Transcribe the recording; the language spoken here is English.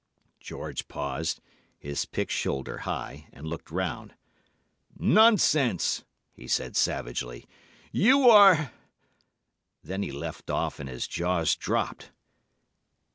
"George paused—his pick shoulder high—and looked round. 'Nonsense,' he said savagely. 'You are——' Then he left off and his jaws dropped.